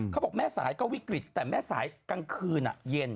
เขาบอกแม่สายก็วิกฤตแต่แม่สายกลางคืนเย็น